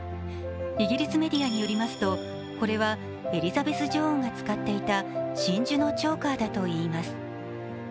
イギリスメディアによりますとこれはエリザベス女王が使っていた真珠のチョーカーだといいます。